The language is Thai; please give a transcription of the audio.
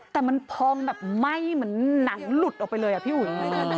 แต่มันพองแบบไหม้เหมือนหนังหลุดออกไปเลยอะพี่อุ๋ย